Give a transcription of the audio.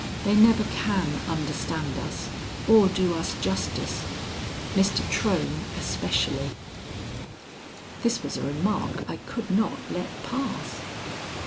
They never can understand us or do us justice, Mr. Trohm, especially." This was a remark I could not let pass.